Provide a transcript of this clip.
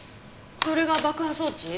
これが爆破装置？